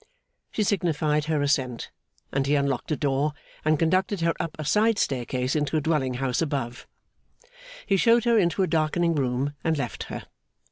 She signified her assent, and he unlocked a door and conducted her up a side staircase into a dwelling house above. He showed her into a darkening room, and left her.